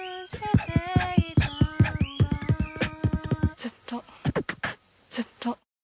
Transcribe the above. ずっと、ずっと。